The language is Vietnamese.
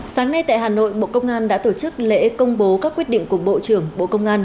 sáng nay tại hà nội bộ công an đã tổ chức lễ công bố các quyết định của bộ trưởng bộ công an